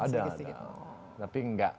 ada ada tapi nggak